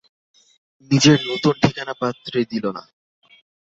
নিজের নূতন ঠিকানা পত্রে দিল না।